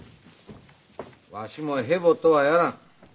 わしもヘボとはやらん。